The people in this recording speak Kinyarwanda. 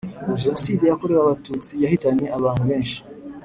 Jenoside Yakorewe Abatutsi yahitanye abantu benshi